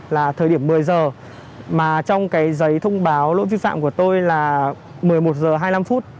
là thời điểm một mươi h mà trong cái giấy thông báo lỗi vi phạm của tôi là một mươi một h hai mươi năm phút